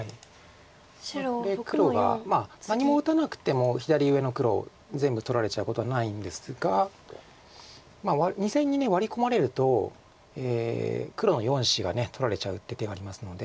これ黒が何も打たなくても左上の黒全部取られちゃうことはないんですが２線にワリ込まれると黒の４子が取られちゃうっていう手がありますので。